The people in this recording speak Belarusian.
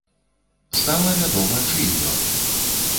Стала вядома, чый ён.